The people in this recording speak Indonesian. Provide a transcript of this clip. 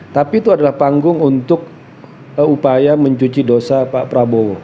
tapi itu adalah panggung untuk upaya mencuci dosa pak prabowo